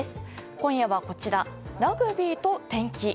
今夜はこちら、ラグビーと天気。